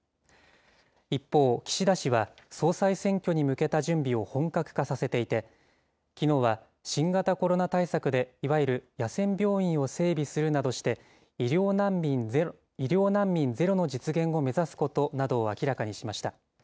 一方、岸田氏は総裁選挙に向けた準備を本格化させていて、きのうは、新型コロナ対策で、いわゆる野戦病院を整備するなどして、医療難民ゼロの実現を目指すことなどを明らかにしました。